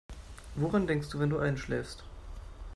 Woran denkst du, wenn du einschläfst?